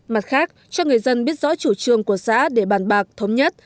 mặt khác cho người dân biết rõ chủ trương của xã để bàn bạc thống nhất